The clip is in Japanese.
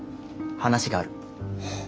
話がある。